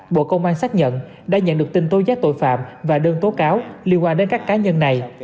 bộ công an xác nhận đã nhận được tin tố giác tội phạm và đơn tố cáo liên quan đến các cá nhân này